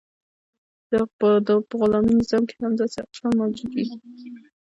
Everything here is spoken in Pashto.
په غلامي نظام کې هم داسې اقشار موجود وو.